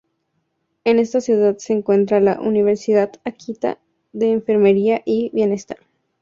En esta ciudad se encuentra la Universidad Akita de Enfermería y Bienestar.